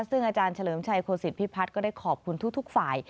ซึ่งอาจารย์เฉลิมชัยโคศิษฐพิพัฒน์ก็ได้ขอบคุณทุกฝ่าย